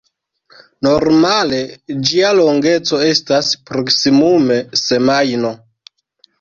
Normale ĝia longeco estas proksimume semajno.